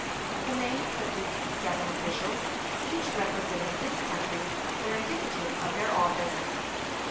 (39) The names of these seven officials, each representing his country, were indicative of their office.